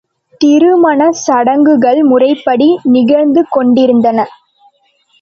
திருமணச் சடங்குகள் முறைப்படி நிகழ்ந்து கொண்டிருந்தன.